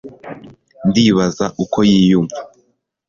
ndibaza uko yiyumva